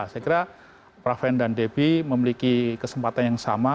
saya kira praven dan debbie memiliki kesempatan yang sama